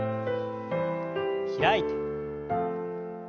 開いて。